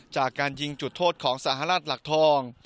จากการยิงจุดโทษของสหรัฐหลักทอง